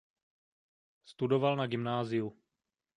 Studoval na gymnáziu.